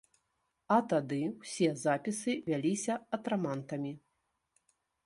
А тады ўсе запісы вяліся атрамантамі.